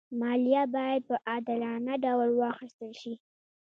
مالیه باید په عادلانه ډول واخېستل شي.